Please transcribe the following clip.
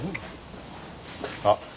あっ！